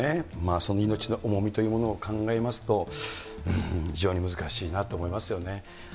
その命の重みというものを考えますと、非常に難しいなと思いますよね。